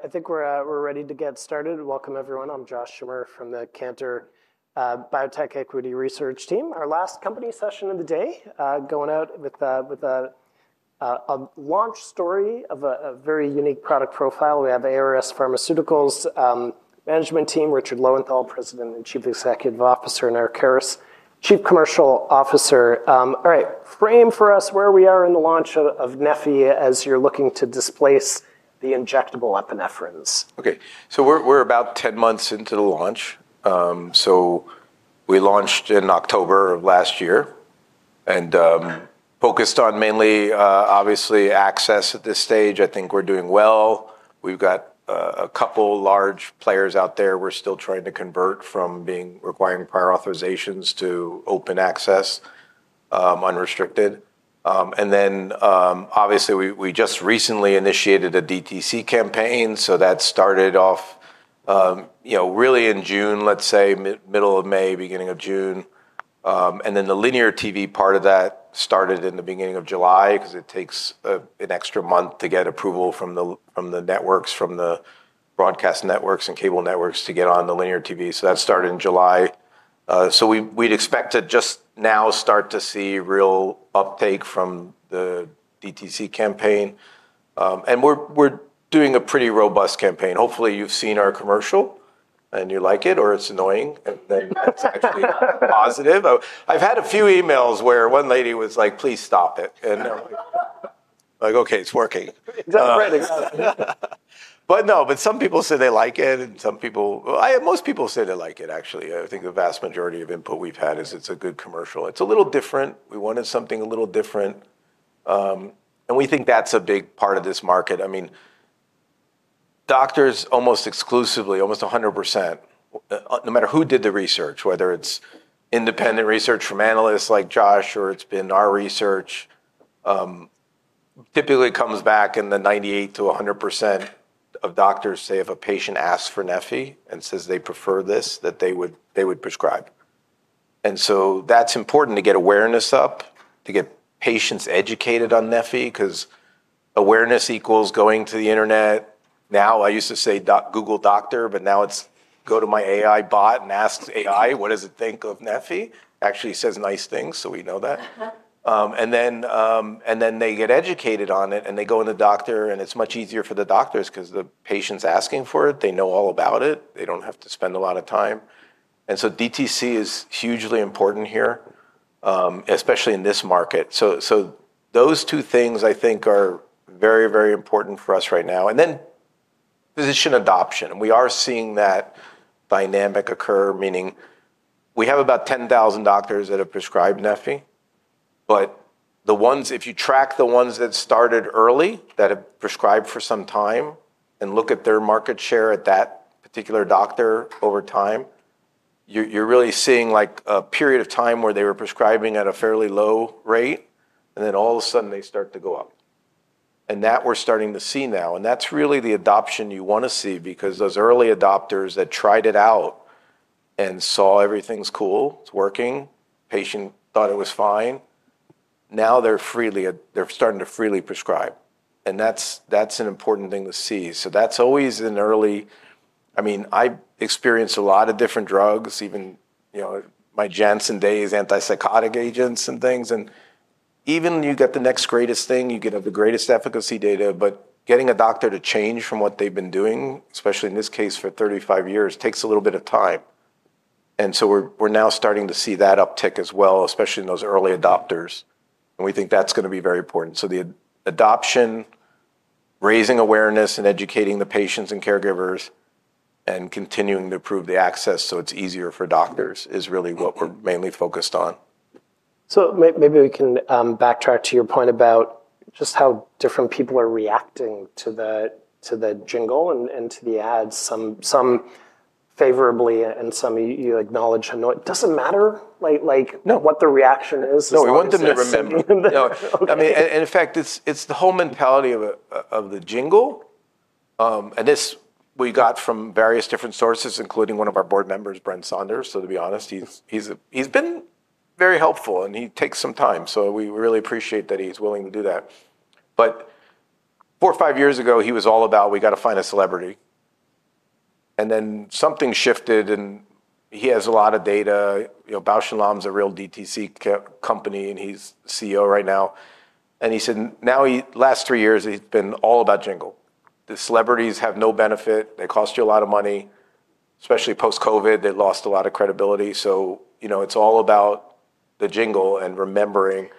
... All right, I think we're ready to get started. Welcome, everyone. I'm Josh Schimmer from the Cantor Biotech Equity Research Team. Our last company session of the day, going out with a launch story of a very unique product profile. We have ARS Pharmaceuticals' management team, Richard Lowenthal, President and Chief Executive Officer, and Eric Karas, Chief Commercial Officer. All right, frame for us where we are in the launch of Neffy as you're looking to displace the injectable epinephrines. Okay, so we're about 10 months into the launch. So we launched in October of last year, and focused mainly, obviously, access at this stage. I think we're doing well. We've got a couple large players out there we're still trying to convert from being requiring prior authorizations to open access, unrestricted. And then, obviously, we just recently initiated a DTC campaign, so that started off, you know, really in June, let's say mid-May, beginning of June. And then the linear TV part of that started in the beginning of July 'cause it takes an extra month to get approval from the networks, from the broadcast networks and cable networks to get on the linear TV, so that started in July. So we'd expect to just now start to see real uptake from the DTC campaign. And we're doing a pretty robust campaign. Hopefully, you've seen our commercial, and you like it, or it's annoying and then that's actually not positive. I've had a few emails where one lady was like, "Please stop it." And I'm like, "Okay, it's working. It's out already. But no, but some people say they like it, and some people... Well, most people say they like it, actually. I think the vast majority of input we've had is it's a good commercial. It's a little different. We wanted something a little different, and we think that's a big part of this market. I mean, doctors, almost exclusively, almost 100%, no matter who did the research, whether it's independent research from analysts like Josh or it's been our research, typically comes back in the 98%-100% of doctors say if a patient asks for Neffy and says they prefer this, that they would prescribe. And so that's important to get awareness up, to get patients educated on Neffy, 'cause awareness equals going to the internet. Now, I used to say doc- Google Doctor, but now it's go to my AI bot and ask AI what does it think of Neffy. Actually, it says nice things, so we know that. And then they get educated on it, and they go to the doctor, and it's much easier for the doctors 'cause the patient's asking for it. They know all about it. They don't have to spend a lot of time, and so DTC is hugely important here, especially in this market. So those two things, I think, are very, very important for us right now. And then physician adoption, and we are seeing that dynamic occur, meaning we have about 10,000 doctors that have prescribed Neffy, but the ones... If you track the ones that started early, that have prescribed for some time, and look at their market share at that particular doctor over time, you're really seeing, like, a period of time where they were prescribing at a fairly low rate, and then all of a sudden they start to go up and that we're starting to see now, and that's really the adoption you wanna see because those early adopters that tried it out and saw everything's cool, it's working, patient thought it was fine, now they're starting to freely prescribe, and that's an important thing to see. So that's always an early- I mean, I experienced a lot of different drugs, even, you know, my Janssen days, antipsychotic agents and things, and even you get the next greatest thing, you can have the greatest efficacy data, but getting a doctor to change from what they've been doing, especially in this case for 35 years, takes a little bit of time. And so we're now starting to see that uptick as well, especially in those early adopters, and we think that's gonna be very important. So the adoption, raising awareness, and educating the patients and caregivers, and continuing to improve the access so it's easier for doctors is really what we're mainly focused on. So maybe we can backtrack to your point about just how different people are reacting to the jingle and to the ads, some favorably and some you acknowledge anno- Does it matter, like? No... what the reaction is, as long as they're singing? No, we want them to remember. Okay. No, I mean, and in fact, it's the whole mentality of the jingle. And this, we got from various different sources, including one of our board members, Brent Saunders, so to be honest, he's been very helpful, and he takes some time, so we really appreciate that he's willing to do that. But four, five years ago, he was all about, "We got to find a celebrity." And then something shifted, and he has a lot of data. You know, Bausch + Lomb's a real DTC company, and he's CEO right now, and he said now last three years, it's been all about jingle. The celebrities have no benefit. They cost you a lot of money. Especially post-COVID, they lost a lot of credibility, so, you know, it's all about the jingle and remembering.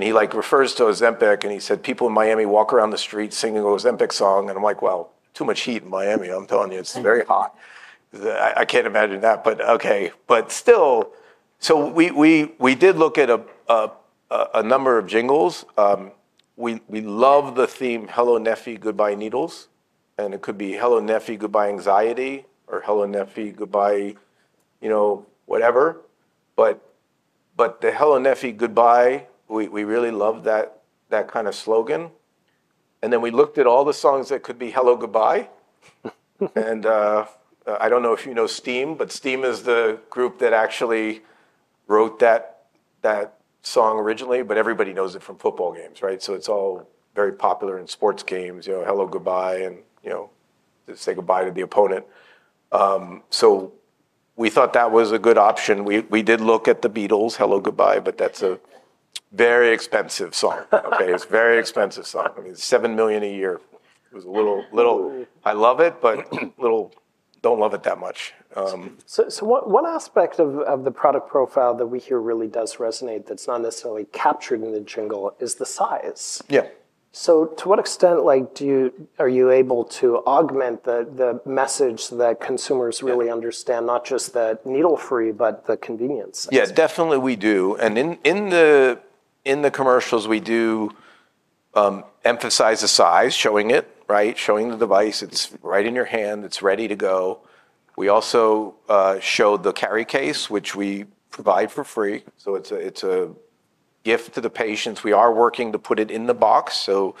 He, like, refers to Ozempic, and he said, "People in Miami walk around the street singing the Ozempic song," and I'm like, "Well, too much heat in Miami. I'm telling you, it's very hot." I can't imagine that, but okay. But still, we did look at a number of jingles. We love the theme, "Hello, Neffy, goodbye needles," and it could be, "Hello, Neffy, goodbye anxiety," or, "Hello, Neffy, goodbye," you know, whatever. But the "Hello, Neffy, goodbye," we really love that kind of slogan. And then we looked at all the songs that could be hello goodbye and I don't know if you know Steam, but Steam is the group that actually wrote that song originally, but everybody knows it from football games, right? So it's all very popular in sports games, you know, hello, goodbye, and, you know, to say goodbye to the opponent. So we thought that was a good option. We did look at The Beatles' Hello, Goodbye, but that's a very expensive song. Okay, it's a very expensive song. I mean, $7 million a year. It was a little, little- Ooh. I love it, but little... don't love it that much. What aspect of the product profile that we hear really does resonate, that's not necessarily captured in the jingle, is the size. Yeah. To what extent, like, are you able to augment the message that consumers- Yeah... really understand not just the needle-free but the convenience? Yeah, definitely we do. And in the commercials, we do emphasize the size, showing it, right? Showing the device. It's right in your hand. It's ready to go. We also show the carry case, which we provide for free, so it's a gift to the patients. We are working to put it in the box, so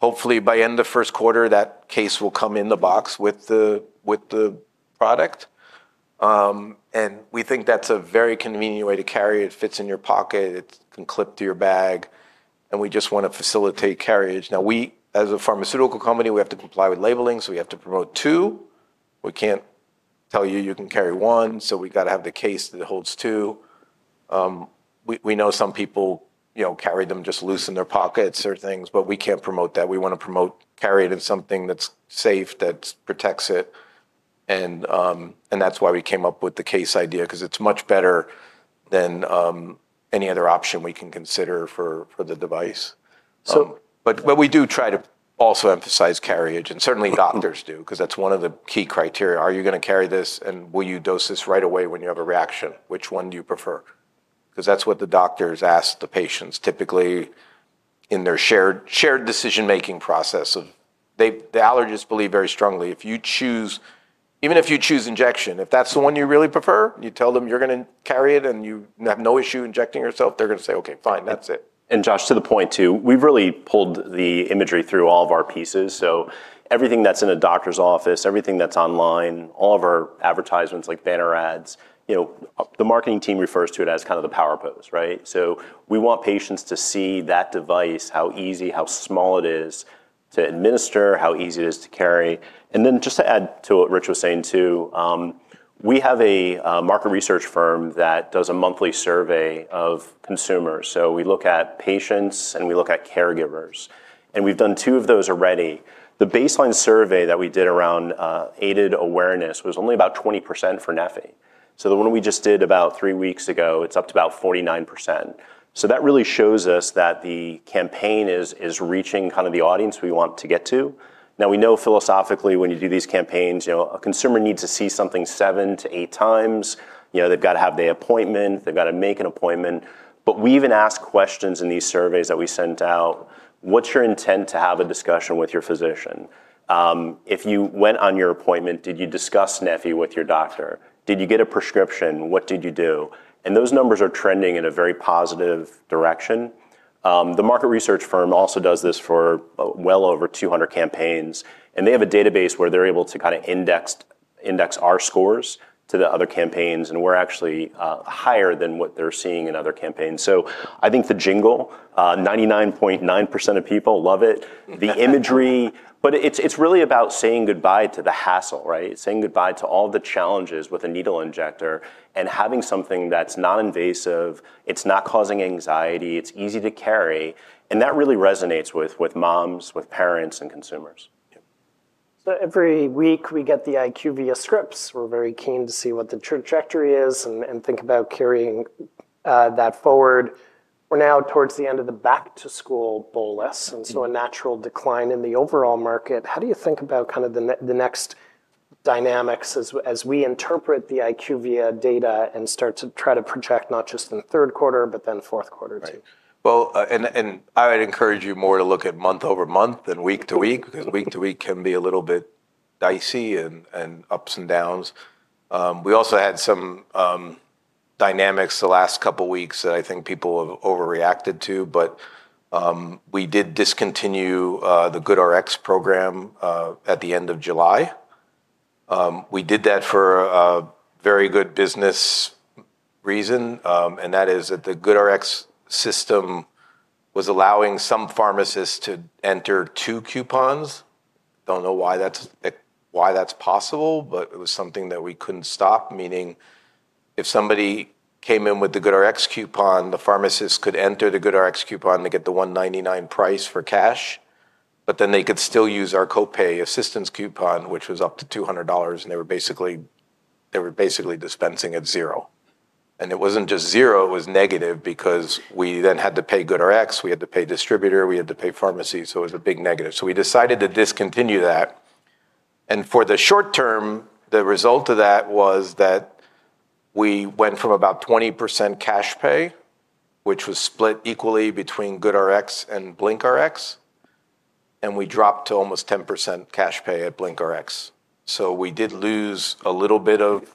hopefully by end of first quarter, that case will come in the box with the product. And we think that's a very convenient way to carry. It fits in your pocket, it can clip to your bag, and we just wanna facilitate carriage. Now, we, as a pharmaceutical company, we have to comply with labeling, so we have to promote two. We can't tell you you can carry one, so we've gotta have the case that holds two. We know some people, you know, carry them just loose in their pockets or things, but we can't promote that. We wanna promote carry it in something that's safe, that protects it, and that's why we came up with the case idea, 'cause it's much better than any other option we can consider for the device. So- But we do try to also emphasize carriage, and certainly doctors do, 'cause that's one of the key criteria. Are you gonna carry this, and will you dose this right away when you have a reaction? Which one do you prefer? 'Cause that's what the doctors ask the patients, typically in their shared decision-making process of. They, the allergists believe very strongly, if you choose, even if you choose injection, if that's the one you really prefer, you tell them you're gonna carry it, and you have no issue injecting yourself, they're gonna say, "Okay, fine, that's it. And Josh, to the point, too, we've really pulled the imagery through all of our pieces. So everything that's in a doctor's office, everything that's online, all of our advertisements, like banner ads, you know, the marketing team refers to it as kind of the power pose, right? So we want patients to see that device, how easy, how small it is to administer, how easy it is to carry. And then just to add to what Rich was saying, too, we have a market research firm that does a monthly survey of consumers. So we look at patients, and we look at caregivers, and we've done two of those already. The baseline survey that we did around aided awareness was only about 20% for Neffy. So the one we just did about three weeks ago, it's up to about 49%. So that really shows us that the campaign is reaching kind of the audience we want to get to. Now, we know philosophically, when you do these campaigns, you know, a consumer needs to see something seven to eight times. You know, they've got to have the appointment. They've got to make an appointment. But we even ask questions in these surveys that we send out: What's your intent to have a discussion with your physician? If you went on your appointment, did you discuss Neffy with your doctor? Did you get a prescription? What did you do? And those numbers are trending in a very positive direction. The market research firm also does this for well over 200 campaigns, and they have a database where they're able to kind of index our scores to the other campaigns, and we're actually higher than what they're seeing in other campaigns. So I think the jingle 99.9% of people love it. The imagery. But it's really about saying goodbye to the hassle, right? Saying goodbye to all the challenges with a needle injector and having something that's non-invasive, it's not causing anxiety, it's easy to carry, and that really resonates with moms, with parents, and consumers. Yeah. So every week, we get the IQVIA scripts. We're very keen to see what the trajectory is and think about carrying that forward. We're now towards the end of the back-to-school bolus- Mm... and so a natural decline in the overall market. How do you think about kind of the next dynamics as we interpret the IQVIA data and start to try to project not just in the Third Quarter but then Fourth Quarter too? Right. Well, I would encourage you more to look at month-over-month than week-to-week cause week- to-week can be a little bit dicey and ups and downs. We also had some dynamics the last couple weeks that I think people have overreacted to, but we did discontinue the GoodRx program at the end of July. We did that for a very good business reason, and that is that the GoodRx system was allowing some pharmacists to enter two coupons. Don't know why that's possible, but it was something that we couldn't stop. Meaning, if somebody came in with the GoodRx coupon, the pharmacist could enter the GoodRx coupon to get the $1.99 price for cash, but then they could still use our copay assistance coupon, which was up to $200, and they were basically, they were basically dispensing at zero. And it wasn't just zero, it was negative because we then had to pay GoodRx, we had to pay distributor, we had to pay pharmacy, so it was a big negative. So we decided to discontinue that, and for the short term, the result of that was that we went from about 20% cash-pay, which was split equally between GoodRx and BlinkRx, and we dropped to almost 10% cash-pay at BlinkRx. So we did lose a little bit of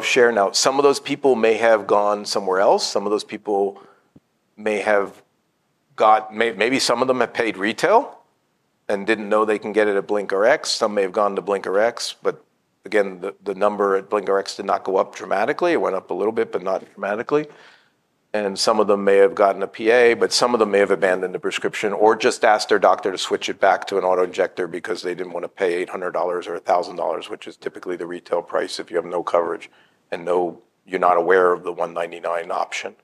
share. Now, some of those people may have gone somewhere else, some of those people may, maybe some of them have paid retail and didn't know they can get it at BlinkRx. Some may have gone to BlinkRx, but again, the number at BlinkRx did not go up dramatically. It went up a little bit, but not dramatically. And some of them may have gotten a PA, but some of them may have abandoned the prescription or just asked their doctor to switch it back to an auto injector because they didn't wanna pay $800 or $1,000, which is typically the retail price if you have no coverage, and no... You're not aware of the $199 option.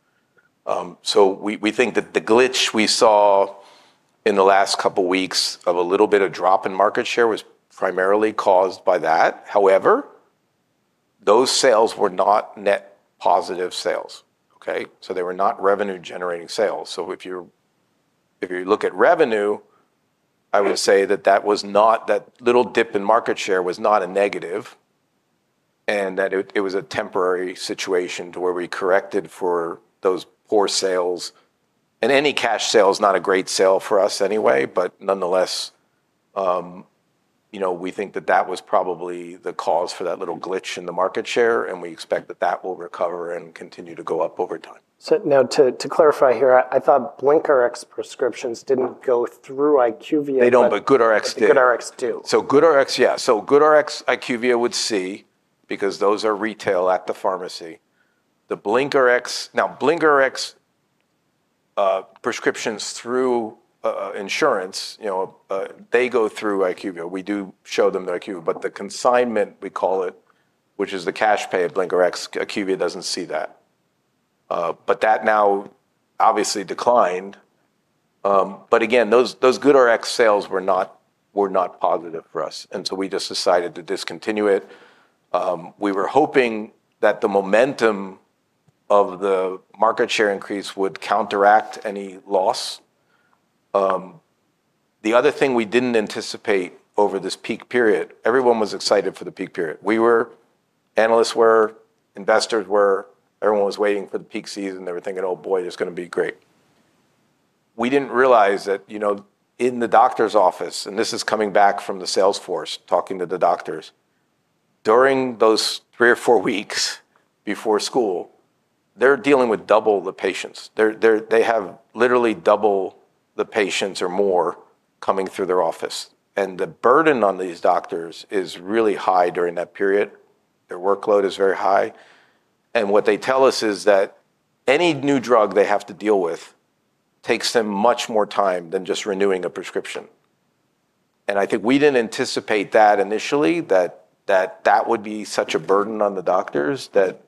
So we think that the glitch we saw in the last couple weeks of a little bit of drop in market share was primarily caused by that. However, those sales were not net positive sales, okay? So they were not revenue-generating sales. So if you look at revenue, I would say that that was not, that little dip in market share was not a negative, and that it, it was a temporary situation to where we corrected for those poor sales. And any cash sale is not a great sale for us anyway, but nonetheless, you know, we think that that was probably the cause for that little glitch in the market share, and we expect that that will recover and continue to go up over time. So now, to clarify here, I thought BlinkRx prescriptions didn't go through IQVIA- They don't, but GoodRx do. GoodRx do. So GoodRx, yeah. So GoodRx, IQVIA would see, because those are retail at the pharmacy. The BlinkRx. Now, BlinkRx, prescriptions through insurance, you know, they go through IQVIA. We do show them the IQVIA. But the consignment, we call it, which is the cash-pay of BlinkRx, IQVIA doesn't see that. But that now obviously declined. But again, those GoodRx sales were not positive for us, and so we just decided to discontinue it. We were hoping that the momentum of the market share increase would counteract any loss. The other thing we didn't anticipate over this peak period, everyone was excited for the peak period. We were, analysts were, investors were, everyone was waiting for the peak season. They were thinking, "Oh, boy, it's gonna be great." We didn't realize that, you know, in the doctor's office, and this is coming back from the sales force, talking to the doctors, during those three or four weeks before school, they're dealing with double the patients. They're... They have literally double the patients or more coming through their office, and the burden on these doctors is really high during that period. Their workload is very high. And what they tell us is that any new drug they have to deal with takes them much more time than just renewing a prescription. And I think we didn't anticipate that initially, that that would be such a burden on the doctors, that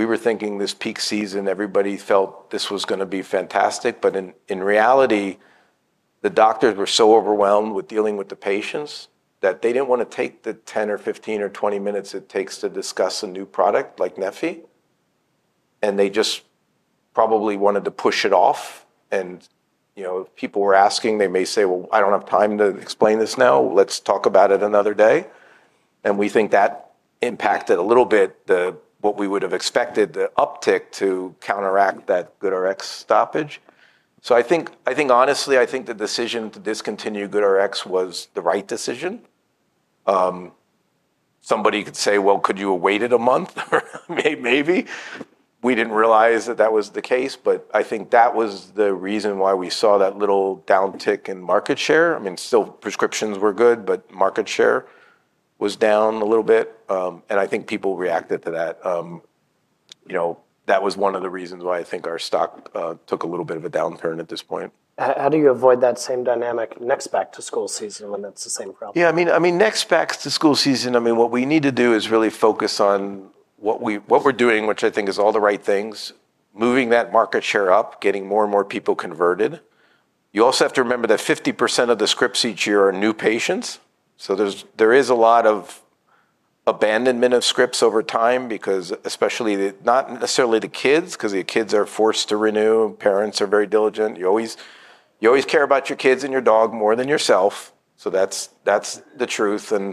we were thinking this peak season, everybody felt this was gonna be fantastic. But in reality, the doctors were so overwhelmed with dealing with the patients, that they didn't wanna take the 10 or 15 or 20 minutes it takes to discuss a new product like Neffy, and they just probably wanted to push it off. And, you know, if people were asking, they may say, "Well, I don't have time to explain this now. Let's talk about it another day." And we think that impacted a little bit what we would have expected the uptick to counteract that GoodRx stoppage. So I think, I think honestly, I think the decision to discontinue GoodRx was the right decision. Somebody could say, "Well, could you have waited a month?" Or maybe. We didn't realize that that was the case, but I think that was the reason why we saw that little downtick in market share. I mean, still, prescriptions were good, but market share was down a little bit, and I think people reacted to that. You know, that was one of the reasons why I think our stock took a little bit of a downturn at this point. How do you avoid that same dynamic next back-to-school season when it's the same problem? Yeah, I mean, next back-to-school season, I mean, what we need to do is really focus on what we... What we're doing, which I think is all the right things, moving that market share up, getting more and more people converted. You also have to remember that 50% of the scripts each year are new patients, so there is a lot of abandonment of scripts over time because especially the not necessarily the kids, 'cause the kids are forced to renew, parents are very diligent. You always care about your kids and your dog more than yourself, so that's the truth. And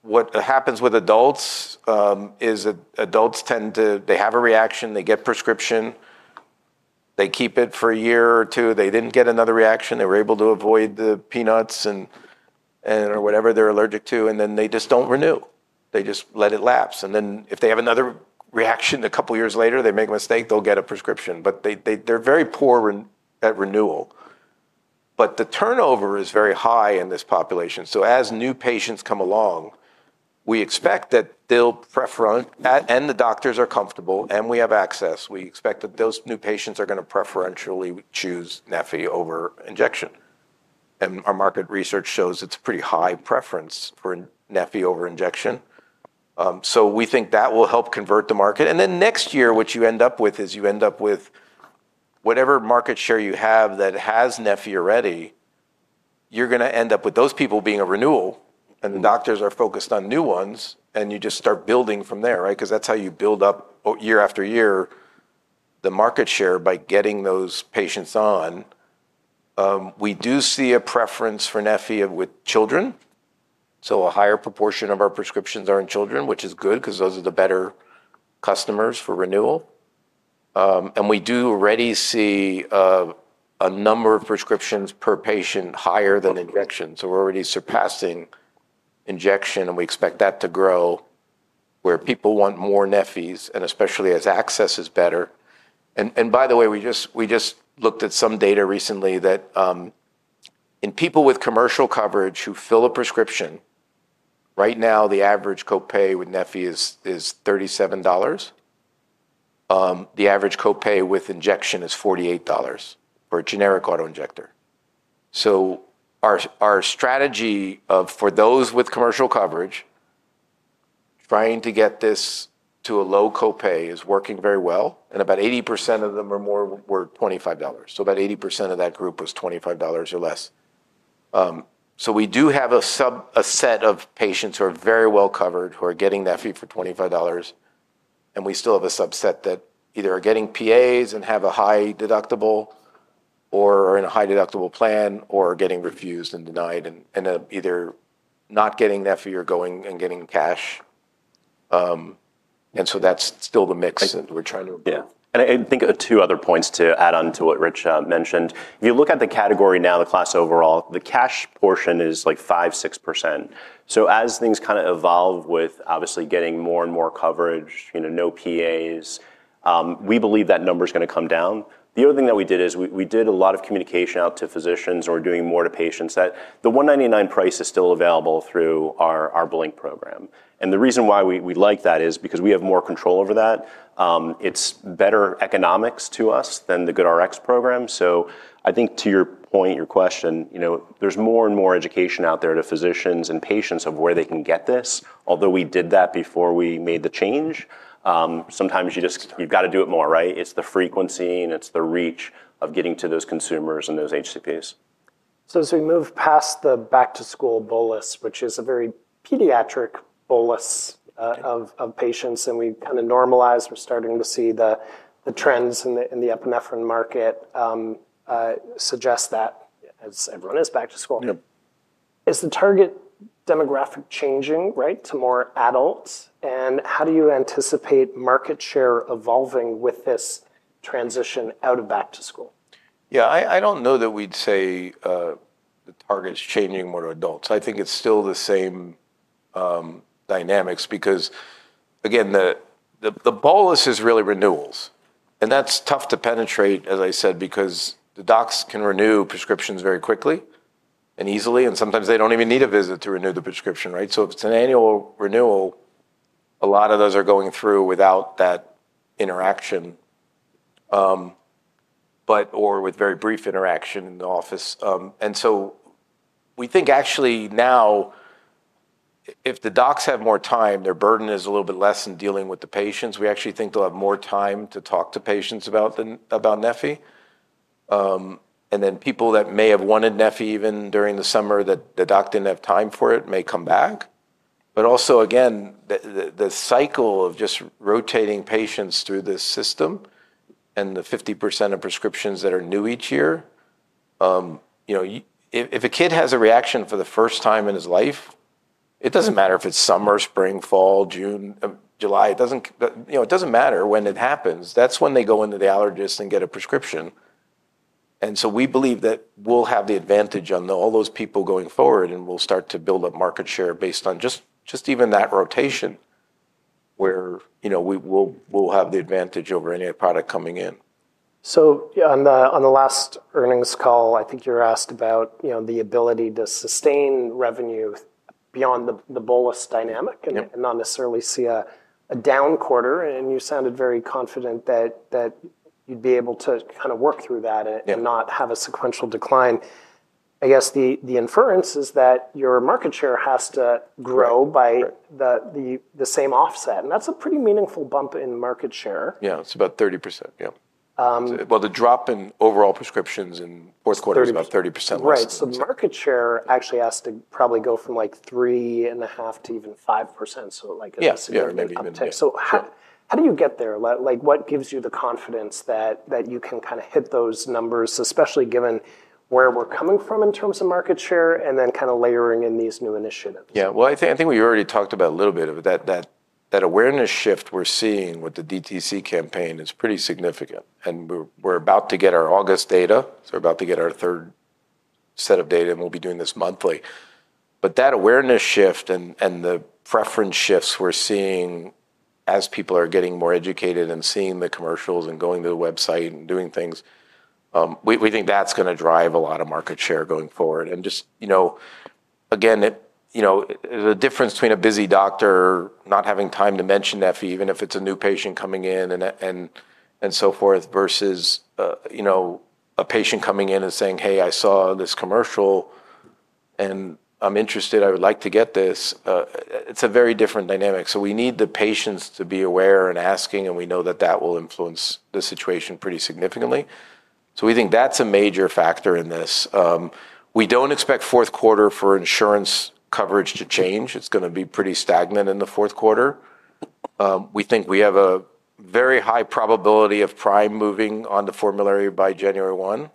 what happens with adults is adults tend to... They have a reaction, they get prescription, they keep it for a year or two. They didn't get another reaction. They were able to avoid the peanuts and, or whatever they're allergic to, and then they just don't renew. They just let it lapse. And then if they have another reaction a couple of years later, they make a mistake, they'll get a prescription, but they, they're very poor at renewal. But the turnover is very high in this population, so as new patients come along, we expect that they'll prefer and the doctors are comfortable, and we have access. We expect that those new patients are gonna preferentially choose Neffy over injection. And our market research shows it's a pretty high preference for Neffy over injection. So we think that will help convert the market. And then next year, what you end up with is you end up with whatever market share you have that has Neffy already, you're gonna end up with those people being a renewal, and the doctors are focused on new ones, and you just start building from there, right? 'Cause that's how you build up year after year, the market share by getting those patients on. We do see a preference for Neffy with children, so a higher proportion of our prescriptions are in children, which is good, 'cause those are the better customers for renewal, and we do already see a number of prescriptions per patient higher than injection, so we're already surpassing injection, and we expect that to grow, where people want more Neffies, and especially as access is better. And by the way, we just looked at some data recently that in people with commercial coverage who fill a prescription, right now, the average copay with Neffy is $37. The average copay with injection is $48 for a generic auto-injector. So our strategy of, for those with commercial coverage, trying to get this to a low copay is working very well, and about 80% of them or more were $25. So about 80% of that group was $25 or less. So we do have a set of patients who are very well covered, who are getting Neffy for $25, and we still have a subset that either are getting PAs and have a high deductible or are in a high-deductible plan or are getting refused and denied and are either not getting Neffy or going and getting cash. and so that's still the mix- I- that we're trying to... Yeah.And I think two other points to add on to what Rich mentioned. If you look at the category now, the class overall, the cash portion is, like, 5-6%. So as things kind of evolve with obviously getting more and more coverage, you know, no PAs, we believe that number's gonna come down. The other thing that we did is we did a lot of communication out to physicians and we're doing more to patients, that the $199 price is still available through our BlinkRx program. And the reason why we like that is because we have more control over that. It's better economics to us than the GoodRx program. So I think to your point, your question, you know, there's more and more education out there to physicians and patients of where they can get this. Although we did that before we made the change, sometimes you've got to do it more, right? It's the frequency, and it's the reach of getting to those consumers and those HCPs. So as we move past the back-to-school bolus, which is a very pediatric bolus of patients, and we've kind of normalized, we're starting to see the trends in the epinephrine market suggest that as everyone is back-to-school. Yeah... is the target demographic changing, right, to more adults? And how do you anticipate market share evolving with this transition out of back-to-school? Yeah, I don't know that we'd say the target's changing more to adults. I think it's still the same dynamics because, again, the bolus is really renewals, and that's tough to penetrate, as I said, because the docs can renew prescriptions very quickly and easily, and sometimes they don't even need a visit to renew the prescription, right? So if it's an annual renewal, a lot of those are going through without that interaction, or with very brief interaction in the office. And so we think actually now if the docs have more time, their burden is a little bit less in dealing with the patients, we actually think they'll have more time to talk to patients about Neffy. And then people that may have wanted Neffy even during the summer, that the doc didn't have time for it, may come back. But also, again, the cycle of just rotating patients through this system and the 50% of prescriptions that are new each year, you know, if a kid has a reaction for the first time in his life, it doesn't matter if it's summer, spring, fall, June, July, you know, it doesn't matter when it happens. That's when they go into the allergist and get a prescription. And so we believe that we'll have the advantage on all those people going forward, and we'll start to build up market share based on just even that rotation, where, you know, we'll have the advantage over any other product coming in. So yeah, on the last earnings call, I think you were asked about, you know, the ability to sustain revenue beyond the bolus dynamic- Yep... and not necessarily see a down Quarter, and you sounded very confident that you'd be able to kind of work through that- Yeah... and not have a sequential decline. I guess the inference is that your market share has to grow- Right... by the same offset, and that's a pretty meaningful bump in market share. Yeah, it's about 30%. Yeah. Um- The drop in overall prescriptions in Fourth Quarter- Thirty... is about 30% less. Right. So market share actually has to probably go from, like, 3.5% to even 5%. So, like, a significant- Yeah, yeah... uptick. Maybe even- So how- Yeah... how do you get there? Like, what gives you the confidence that you can kind of hit those numbers, especially given where we're coming from in terms of market share and then kind of layering in these new initiatives? Yeah, well, I think we already talked about a little bit of it, that awareness shift we're seeing with the DTC campaign is pretty significant, and we're about to get our August data, so we're about to get our third set of data, and we'll be doing this monthly, but that awareness shift and the preference shifts we're seeing as people are getting more educated and seeing the commercials and going to the website and doing things, we think that's gonna drive a lot of market share going forward, and just, you know, again, it. You know, the difference between a busy doctor not having time to mention Neffy, even if it's a new patient coming in and so forth, versus, you know, a patient coming in and saying, "Hey, I saw this commercial, and I'm interested. I would like to get this, it's a very different dynamic. So we need the patients to be aware and asking, and we know that that will influence the situation pretty significantly. So we think that's a major factor in this. We don't expect Fourth Quarter for insurance coverage to change. It's gonna be pretty stagnant in the Fourth Quarter. We think we have a very high probability of Prime moving on the formulary by January one.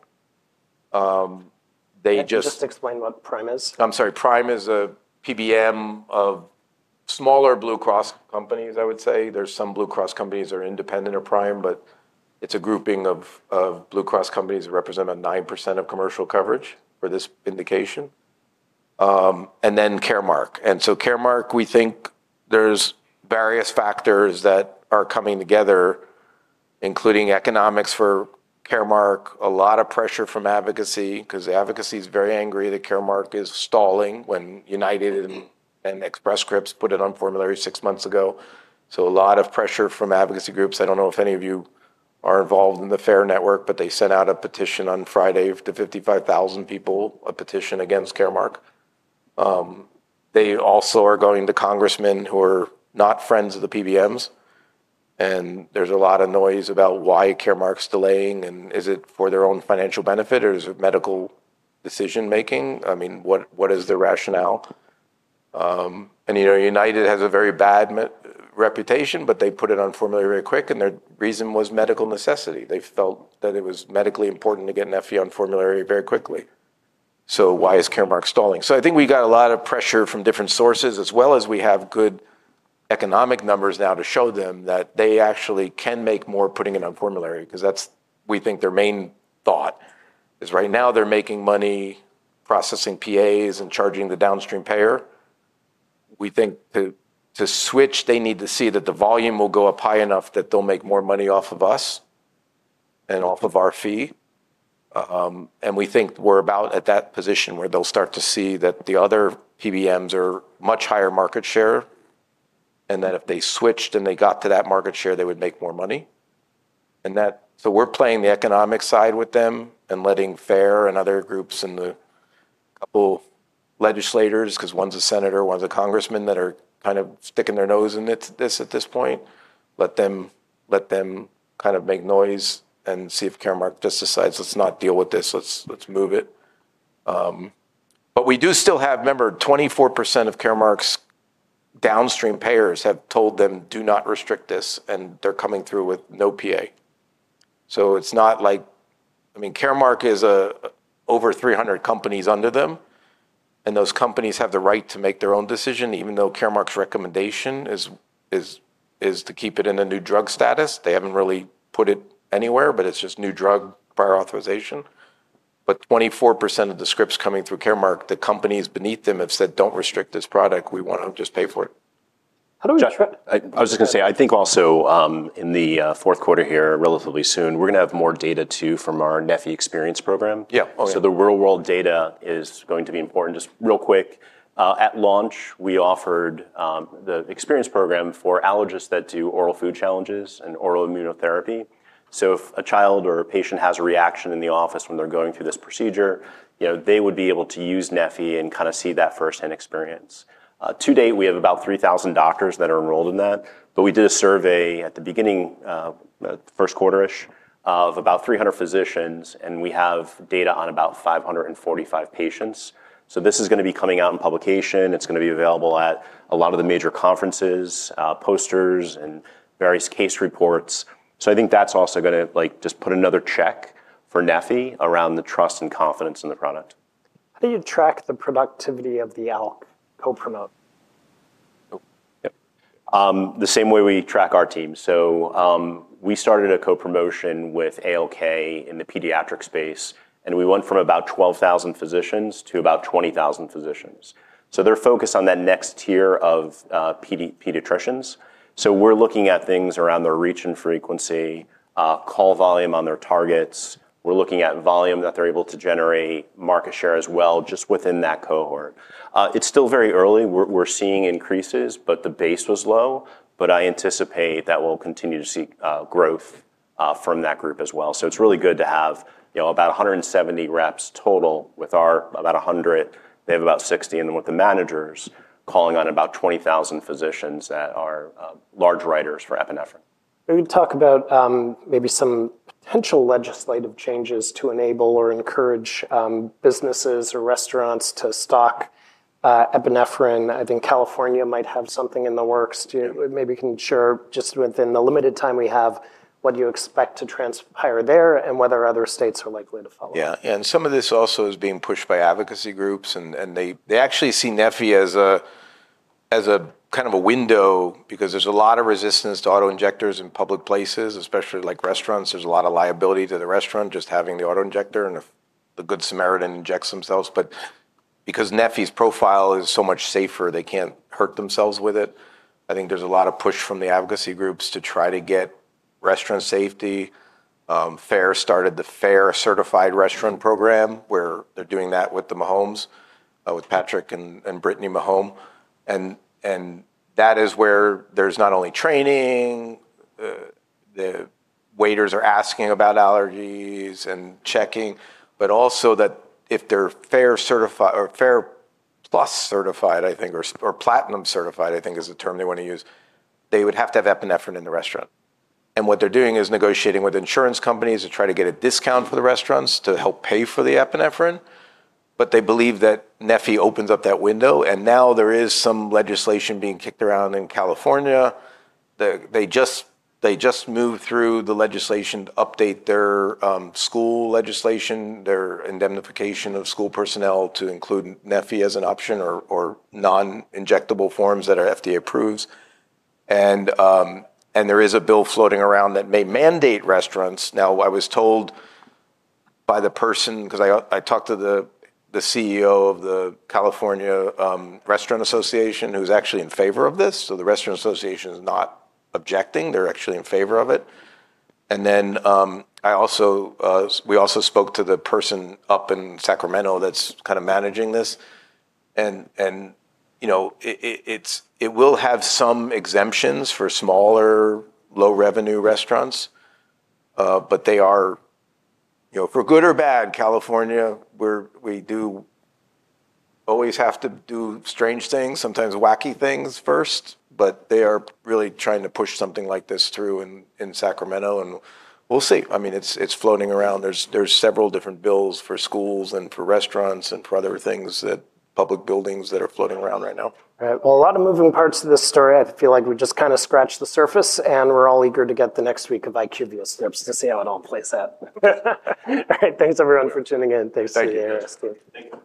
They just- Just explain what Prime is. I'm sorry. Prime is a PBM of smaller Blue Cross companies, I would say. There's some Blue Cross companies are independent of Prime, but it's a grouping of Blue Cross companies that represent about 9% of commercial coverage for this indication. And then Caremark. And so Caremark, we think there's various factors that are coming together, including economics for Caremark, a lot of pressure from advocacy, 'cause advocacy is very angry that Caremark is stalling when United and Express Scripts put it on formulary six months ago. So a lot of pressure from advocacy groups. I don't know if any of you are involved in the FARE Network, but they sent out a petition on Friday to 55,000 people, a petition against Caremark. They also are going to congressmen who are not friends of the PBMs, and there's a lot of noise about why Caremark's delaying, and is it for their own financial benefit, or is it medical decision-making? I mean, what is the rationale? You know, United has a very bad reputation, but they put it on formulary quick, and their reason was medical necessity. They felt that it was medically important to get Neffy on formulary very quickly. So why is Caremark stalling? I think we got a lot of pressure from different sources, as well as we have good economic numbers now to show them that they actually can make more putting it on formulary, 'cause that's, we think, their main thought is right now they're making money processing PAs and charging the downstream payer. We think to switch, they need to see that the volume will go up high enough that they'll make more money off of us and off of our fee. And we think we're about at that position, where they'll start to see that the other PBMs are much higher market share, and that if they switched and they got to that market share, they would make more money. And that. So we're playing the economic side with them and letting FARE and other groups and the couple legislators, 'cause one's a senator, one's a congressman, that are kind of sticking their nose into this at this point, let them kind of make noise and see if Caremark just decides, "Let's not deal with this. Let's move it." But we do still have... Remember, 24% of Caremark's downstream payers have told them, "Do not restrict this," and they're coming through with no PA. So it's not like... I mean, Caremark is over 300 companies under them, and those companies have the right to make their own decision, even though Caremark's recommendation is to keep it in a new drug status. They haven't really put it anywhere, but it's just new drug prior authorization. But 24% of the scripts coming through Caremark, the companies beneath them have said, "Don't restrict this product. We want to just pay for it. How do we track- I was just gonna say, I think also, in the Fourth Quarter here, relatively soon, we're gonna have more data, too, from our Neffy Experience Program. Yeah. Oh, yeah. So the real-world data is going to be important. Just real quick, at launch, we offered the experience program for allergists that do oral food challenges and oral immunotherapy. So if a child or a patient has a reaction in the office when they're going through this procedure, you know, they would be able to use Neffy and kind of see that first-hand experience. To date, we have about 3,000 doctors that are enrolled in that, but we did a survey at the beginning, first quarter-ish, of about 300 physicians, and we have data on about 545 patients. So this is gonna be coming out in publication. It's gonna be available at a lot of the major conferences, posters, and various case reports. So I think that's also gonna, like, just put another check for Neffy around the trust and confidence in the product. How do you track the productivity of the ALK co-promote? The same way we track our team, so we started a co-promotion with ALK in the pediatric space, and we went from about 12,000 physicians to about 20,000 physicians, so they're focused on that next tier of pediatricians. So we're looking at things around the reach and frequency, call volume on their targets. We're looking at volume that they're able to generate, market share as well, just within that cohort. It's still very early. We're seeing increases, but the base was low, but I anticipate that we'll continue to see growth from that group as well, so it's really good to have, you know, about 170 reps total, with our about 100, they have about 60, and with the managers calling on about 20,000 physicians that are large writers for epinephrine. Maybe talk about, maybe some potential legislative changes to enable or encourage, businesses or restaurants to stock, epinephrine. I think California might have something in the works. Maybe can you share, just within the limited time we have, what you expect to transpire there, and whether other states are likely to follow? Yeah. Yeah, and some of this also is being pushed by advocacy groups, and they actually see Neffy as a kind of a window, because there's a lot of resistance to auto-injectors in public places, especially like restaurants. There's a lot of liability to the restaurant just having the auto-injector, and if the Good Samaritan injects themselves. But because Neffy's profile is so much safer, they can't hurt themselves with it. I think there's a lot of push from the advocacy groups to try to get restaurant safety. FARE started the FARE Certified Restaurant program, where they're doing that with the Mahomes, with Patrick and Brittany Mahomes. That is where there's not only training, the waiters are asking about allergies and checking, but also that if they're FARE certified, or FARE plus certified, I think, or Platinum certified, I think is the term they want to use, they would have to have epinephrine in the restaurant. And what they're doing is negotiating with insurance companies to try to get a discount for the restaurants to help pay for the epinephrine. But they believe that Neffy opens up that window, and now there is some legislation being kicked around in California. They just moved through the legislation to update their school legislation, their indemnification of school personnel to include Neffy as an option or non-injectable forms that are FDA approved. And there is a bill floating around that may mandate restaurants... Now, I was told by the person, 'cause I talked to the CEO of the California Restaurant Association, who's actually in favor of this, so the Restaurant Association is not objecting. They're actually in favor of it. And then, we also spoke to the person up in Sacramento that's kind of managing this, and you know, it will have some exemptions for smaller, low-revenue restaurants, but they are, you know, for good or bad, California, we do always have to do strange things, sometimes wacky things first, but they are really trying to push something like this through in Sacramento, and we'll see. I mean, it's floating around. There's several different bills for schools and for restaurants and for other things, public buildings, that are floating around right now. Right. Well, a lot of moving parts to this story. I feel like we've just kind of scratched the surface, and we're all eager to get the next week of IQVIA scripts to see how it all plays out. All right. Thanks, everyone, for tuning in. Thank you. Thanks to you guys, too. Thank you.